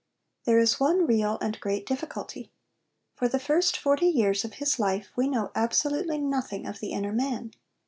There is one real and great difficulty. For the first forty years of his life we know absolutely nothing of the inner man.